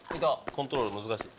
コントロール難しい。